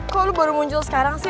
kok lo baru muncul sekarang sih